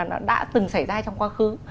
nó đã từng xảy ra trong quá khứ